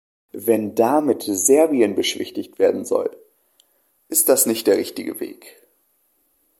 Wenn damit Serbien beschwichtigt werden soll, ist das nicht der richtige Weg.